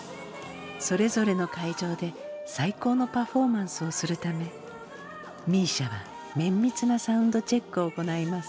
それぞれの会場で最高のパフォーマンスをするためＭＩＳＩＡは綿密なサウンドチェックを行います。